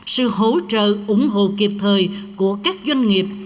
sự hỗ trợ ủng hộ kịp thời của các doanh nghiệp